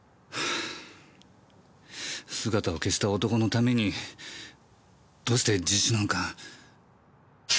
姿を消した男のためにどうして自首なんか？